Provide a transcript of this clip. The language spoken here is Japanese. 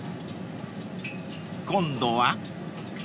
［今度は？］